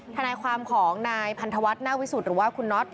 ทนายความของนายพันธวัฒน์หน้าวิสุทธิหรือว่าคุณน็อต